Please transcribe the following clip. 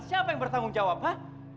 siapa yang bertanggung jawab pak